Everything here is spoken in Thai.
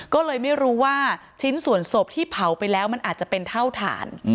ก็เลยไม่รู้ว่าชิ้นส่วนศพที่เผาไปแล้วมันอาจจะเป็นเท่าฐาน